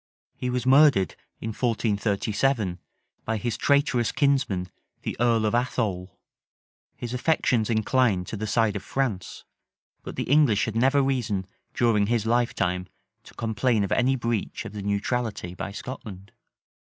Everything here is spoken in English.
He was murdered, in 1437, by his traitorous kinsman the earl of Athole. His affections inclined to the side of France; but the English had never reason during his lifetime to complain of any breach of the neutrality by Scotland.